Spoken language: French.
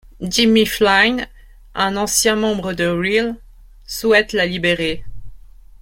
Jimmy Flynn, un ancien membre de Real, souhaite la libérer.